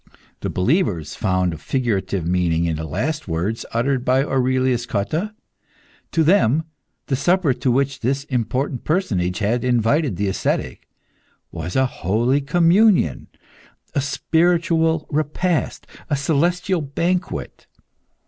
The believers found a figurative meaning in the last words uttered by Aurelius Cotta; to them, the supper to which this important personage had invited the ascetic, was a holy communion, a spiritual repast, a celestial banquet.